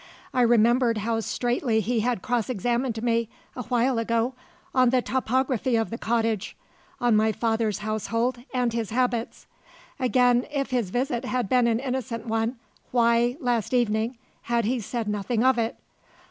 I remembered how straitly he had cross examined me, a while ago, on the topography of the cottage, on my father's household and his habits. Again, if his visit had been an innocent one, why, last evening, had he said nothing of it?